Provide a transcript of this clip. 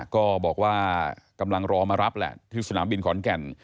ก็บอกว่ากำลังรอมารับแหละที่สนามบินขอนแก่น